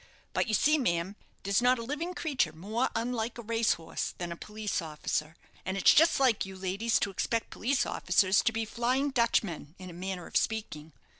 But you see, ma'am, there's not a living creature more unlike a race horse than a police officer. And it's just like you ladies to expect police officers to be Flying Dutchmen, in a manner of speaking.